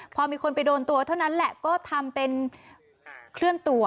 พอมีคนไปโดนตัวเท่านั้นแหละก็ทำเป็นเคลื่อนตัว